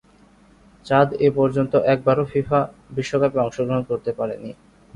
চাদ এপর্যন্ত একবারও ফিফা বিশ্বকাপে অংশগ্রহণ করতে পারেনি।